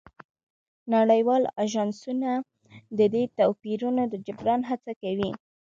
نړیوال اژانسونه د دې توپیرونو د جبران هڅه کوي